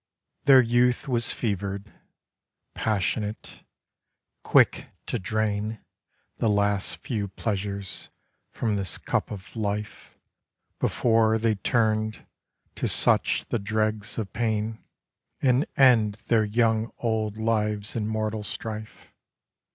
THEIR youth was fevered — passionate, quick to drain The last few pleasures from this cup of life Before they turn'd to such the dregs of pain And end their young old lives in mortal strife.